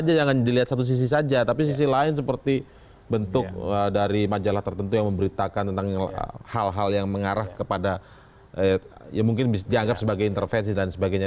ya jangan dilihat satu sisi saja tapi sisi lain seperti bentuk dari majalah tertentu yang memberitakan tentang hal hal yang mengarah kepada ya mungkin dianggap sebagai intervensi dan sebagainya